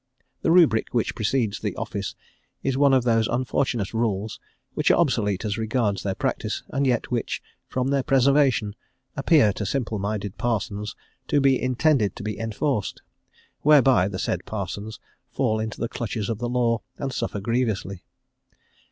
The Rubric which precedes the Office is one of those unfortunate rules which are obsolete as regards their practice, and yet which from their preservation appear to simple minded parsons to be intended to be enforced, whereby the said parsons fall into the clutches of the law, and suffer grievously.